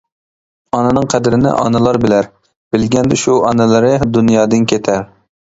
ئانىنىڭ قەدرىنى ئانىلار بىلەر، بىلگەندە شۇ ئانىلىرى دۇنيادىن كېتەر.